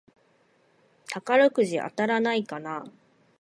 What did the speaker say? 宝くじ当たらないかなぁ